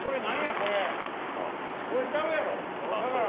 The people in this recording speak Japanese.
これ、ちゃうやろ？